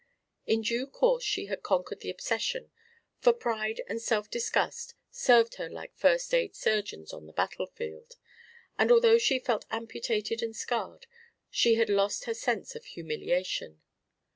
In due course she had conquered the obsession, for pride and self disgust served her like first aid surgeons on the battlefield; and although she felt amputated and scarred, she had lost her sense of humiliation.